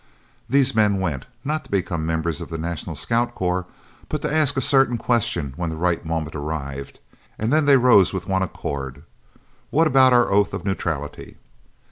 These men went, not to become members of the National Scouts Corps, but to ask a certain question when the right moment arrived and then they rose with one accord. "What about our oath of neutrality?"